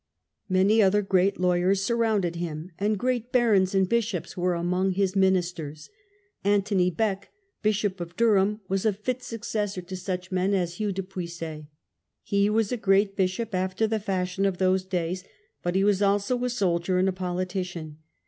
Many other great lawyers surrounded him, and great barons and bishops were among his ministers. Antony Beck, Bishop of Durham, was a fit successor to such men as Hugh de Puiset. He was a great bishop after the fashion of those days, but he was also a soldier and a politician.